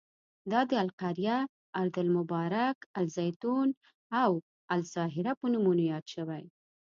دا د القریه، ارض المبارک، الزیتون او الساهره په نومونو یاد شوی.